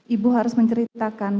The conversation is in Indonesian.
ibu harus menceritakan